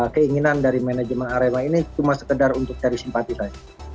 keinginan dari manajemen arema ini cuma sekedar untuk cari simpati saja